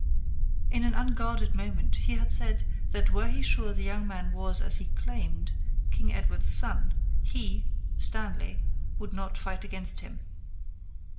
In an unguarded moment he had said that were he sure the young man was as he claimed, King Edward's son, he Stanley would not fight against him.